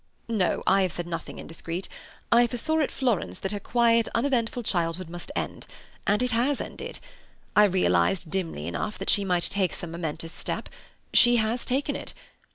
"No, I have said nothing indiscreet. I foresaw at Florence that her quiet, uneventful childhood must end, and it has ended. I realized dimly enough that she might take some momentous step. She has taken it.